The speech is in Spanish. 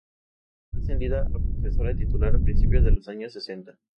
Fue ascendida a profesora titular a principios de los años sesenta.